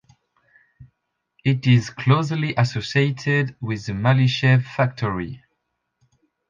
It is closely associated with the Malyshev Factory.